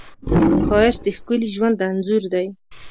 ښایست د ښکلي ژوند انځور دی